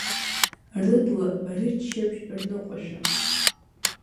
Рыбла, рыччаԥшь, рныҟәашәа…